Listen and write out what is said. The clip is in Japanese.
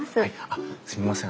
あっすみません